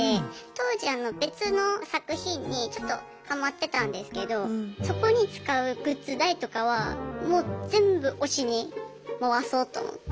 当時別の作品にちょっとハマってたんですけどそこに使うグッズ代とかはもう全部推しに回そうと思って。